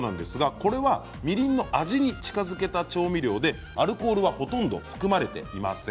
これは、みりんの味に近づけた調味料でアルコールはほとんど含まれていません。